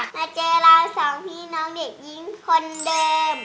มาเจอเราสองพี่น้องเด็กหญิงคนเดิม